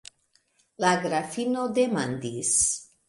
La grafino demandis: